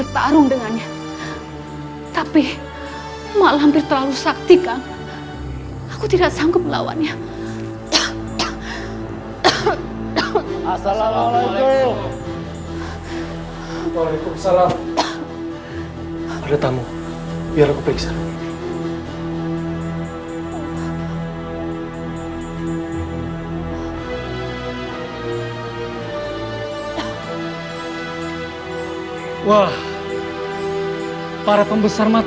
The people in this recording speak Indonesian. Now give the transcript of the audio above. para pembesar mataram